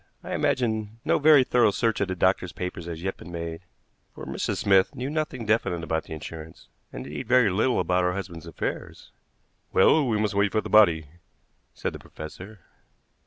"I imagine no very thorough search of the doctor's papers has yet been made, for Mrs. Smith knew nothing definite about the insurance, and, indeed, very little about her husband's affairs." "Well, we must wait for the body," said the professor.